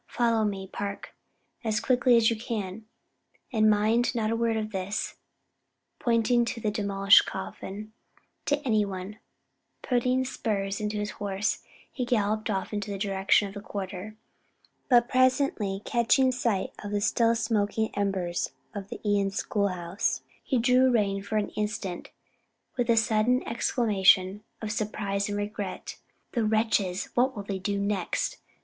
Follow me, Park, as quickly as you can. And mind, not a word of this," pointing to the demolished coffin, "to any one," and putting spurs to his horse, he galloped off in the direction of the quarter. But presently catching sight of the still smoking embers of the Ion school house, he drew rein for an instant with a sudden exclamation of surprise and regret. "The wretches, what will they do next?